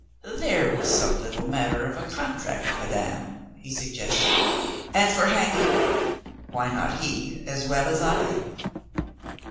"There was some little matter of a contract, madame," he sug gested. "And for hanging, why not he as well as I